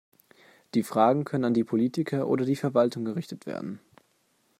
Die Fragen können an die Politik oder die Verwaltung gerichtet werden.